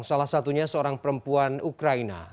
salah satunya seorang perempuan ukraina